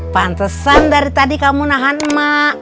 pantesan dari tadi kamu nahan emak